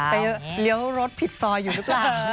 เลี้ยวรถผิดซอยอยู่หรือเปล่า